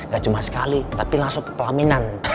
gak cuma sekali tapi langsung kepelaminan